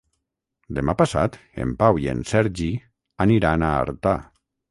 Demà passat en Pau i en Sergi aniran a Artà.